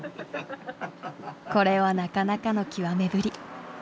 これはなかなかのきわめぶり。